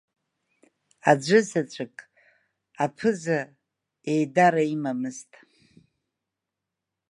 Аӡәы заҵәык аԥыза еидара имамызт.